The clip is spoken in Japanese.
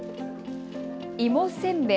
芋せんべい。